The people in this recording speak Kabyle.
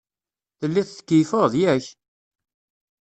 Telliḍ tkeyyfeḍ, yak?